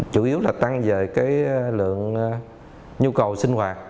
chủ yếu là tăng về cái lượng nhu cầu sinh hoạt